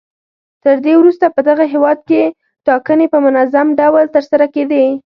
تر دې وروسته په دغه هېواد کې ټاکنې په منظم ډول ترسره کېدې.